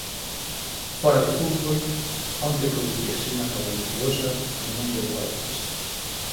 Fóra do fútbol, onte producíase unha nova lutuosa no mundo do baloncesto.